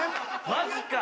マジか！